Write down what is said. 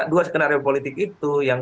dua skenario politik itu yang